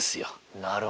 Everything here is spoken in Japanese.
なるほど。